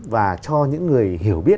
và cho những người hiểu biết